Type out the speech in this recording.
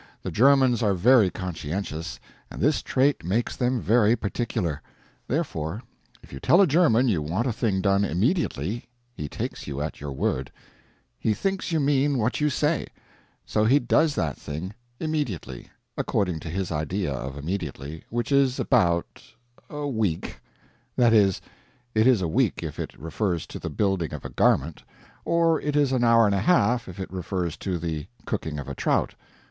The Germans are very conscientious, and this trait makes them very particular. Therefore if you tell a German you want a thing done immediately, he takes you at your word; he thinks you mean what you say; so he does that thing immediately according to his idea of immediately which is about a week; that is, it is a week if it refers to the building of a garment, or it is an hour and a half if it refers to the cooking of a trout.